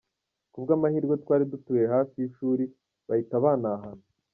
Ku bw’ amahirwe twari dutuye hafi y’ishuri bahita bantahana.